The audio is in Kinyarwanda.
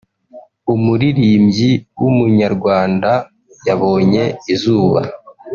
umuririmbyi w’umunyarwanda yabonye izuba